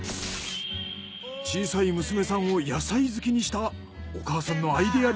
小さい娘さんを野菜好きにしたお母さんのアイデア料理が登場！